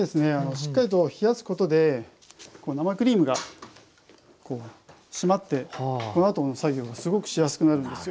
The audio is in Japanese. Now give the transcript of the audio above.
しっかりと冷やすことで生クリームが締まってこのあとの作業がすごくしやすくなるんですよ。